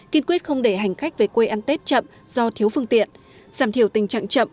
kiên quyết không để hành khách về quê ăn tết chậm do thiếu phương tiện giảm thiểu tình trạng chậm